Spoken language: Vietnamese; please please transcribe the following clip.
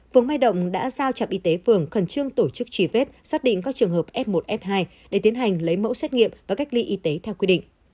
phường mai động đã giao trạm y tế phường khẩn trương tổ chức truy vết xác định các trường hợp f một f hai để tiến hành lấy mẫu xét nghiệm và cách ly y tế theo quy định